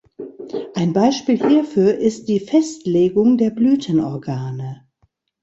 Ein Beispiel hierfür ist die Festlegung der Blütenorgane.